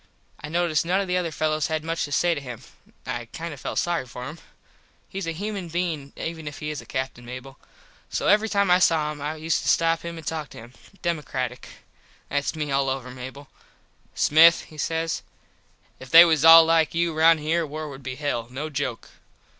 I noticed none of the other fellos had much to say to him. I felt kind of sorry for him. Hes a human bein even if he is a Captin, Mable. So every time I saw him I used to stop him and talk to him. Democratic. Thats me all over, Mable. "Smith" he says "If they was all like you round here war would be hell, no joke."